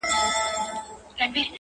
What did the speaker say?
د شپې نيمي كي,